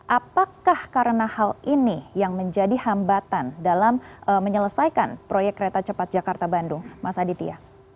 apakah karena hal ini yang menjadi hambatan dalam menyelesaikan proyek kereta cepat jakarta bandung mas aditya